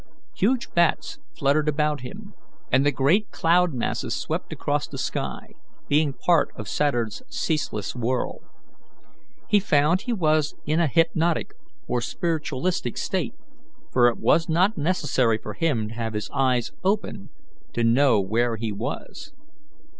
Huge bats fluttered about him, and the great cloud masses swept across the sky, being part of Saturn's ceaseless whirl. He found he was in a hypnotic or spiritualistic state, for it was not necessary for him to have his eyes open to know where he was.